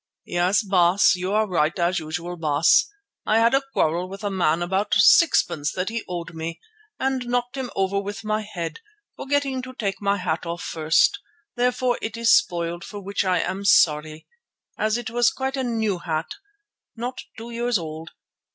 "Yes, Baas. You are right as usual, Baas. I had a quarrel with a man about sixpence that he owed me, and knocked him over with my head, forgetting to take my hat off first. Therefore it is spoiled, for which I am sorry, as it was quite a new hat, not two years old.